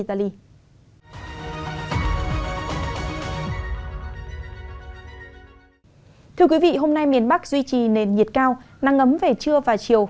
thưa quý vị hôm nay miền bắc duy trì nền nhiệt cao nắng ấm về trưa và chiều